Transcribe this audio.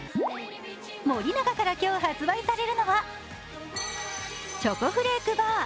森永から今日発売されるのはチョコフレークバー。